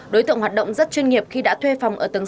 đối tượng hoạt động rất chuyên nghiệp khi đã thuê phòng ở tầng sáu